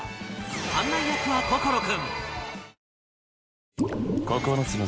案内役は心君